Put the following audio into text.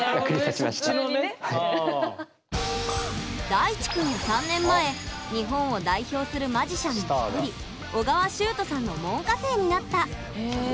大智くんは３年前日本を代表するマジシャンの一人緒川集人さんの門下生になった。